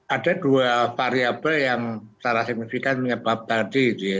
ada dua variable yang secara signifikan menyebabkan tadi